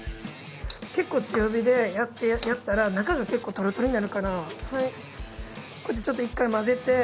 結構強火でやったら中が結構トロトロになるからこうやってちょっと一回混ぜて。